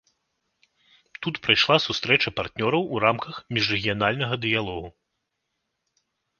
Тут прайшла сустрэча партнёраў у рамках міжрэгіянальнага дыялогу.